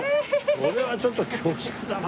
それはちょっと恐縮だな。